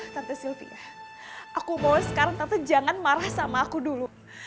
tante sylvia aku mau sekarang tante jangan marah sama aku dulu